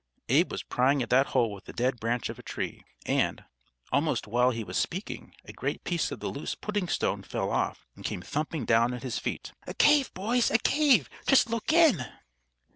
Abe was prying at that hole with a dead branch of a tree, and, almost while he was speaking, a great piece of the loose pudding stone fell off and came thumping down at his feet. "A cave, boys, a cave! Just look in!"